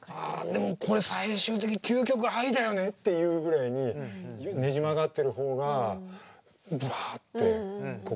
あでもこれ最終的に究極愛だよねっていうぐらいにねじ曲がってる方がぶわって心に突き刺さるって感覚はある。